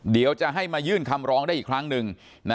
เดี๋ยวจะให้มายื่นคำร้องได้อีกครั้งหนึ่ง